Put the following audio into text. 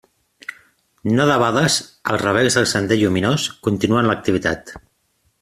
No debades, els rebels del Sender Lluminós continuen l'activitat.